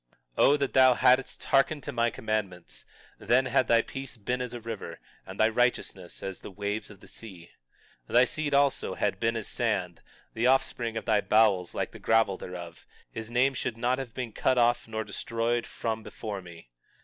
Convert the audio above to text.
20:18 O that thou hadst hearkened to my commandments—then had thy peace been as a river, and thy righteousness as the waves of the sea. 20:19 Thy seed also had been as the sand; the offspring of thy bowels like the gravel thereof; his name should not have been cut off nor destroyed from before me.